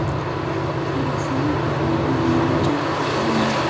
Brasil, Bernardo de Irigoyen, Av.